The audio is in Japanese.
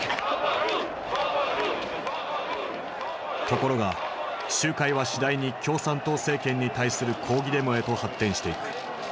ところが集会は次第に共産党政権に対する抗議デモへと発展していく。